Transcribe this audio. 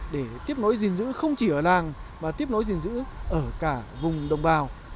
để tiếp nối gìn giữ không chỉ ở làng mà tiếp nối gìn giữ ở cả vùng đồng bào